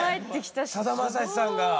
さだまさしさんが。